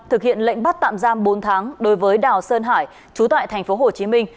thực hiện lệnh bắt tạm giam bốn tháng đối với đào sơn hải chú tại tp hồ chí minh